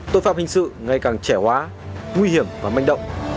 tội phạm hình sự ngày càng trẻ hóa nguy hiểm và manh động